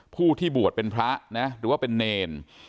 ผู้ที่บวชเป็นพระนะหรือว่าเป็นเนร